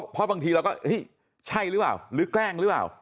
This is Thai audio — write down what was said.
เพราะบางทีเราก็ใช่หรือเปล่าหรือแกล้งหรือเปล่า